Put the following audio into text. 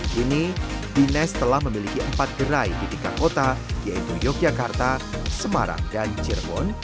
kini dinas telah memiliki empat gerai di tiga kota yaitu yogyakarta semarang dan cirebon